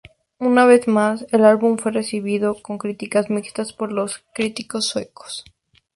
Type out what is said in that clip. Una vez más, el álbum fue recibido con críticas mixtas por los críticos suecos.